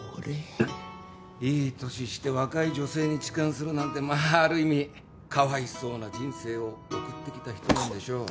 いい年して若い女性に痴漢するなんてまあある意味かわいそうな人生を送ってきた人なんでしょう。